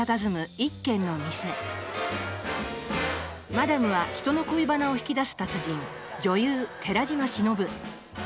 マダムは人の恋バナを引き出す達人